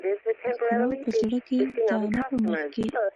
ښکلا په زړه کې ده نه په مخ کې .